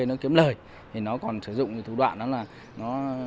để nó kiếm lời thì nó còn sử dụng một thủ đoạn đó là nó